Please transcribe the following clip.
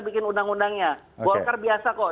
bikin undang undangnya golkar biasa kok